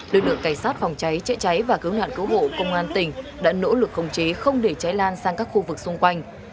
lực lượng cảnh sát phòng cháy chữa cháy và cứu nạn cứu hộ công an tỉnh đã nỗ lực khống chế không để cháy lan sang các khu vực xung quanh